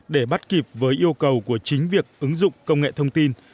để bắt kịp với yêu cầu của chính việc ứng dụng công nghệ thông tin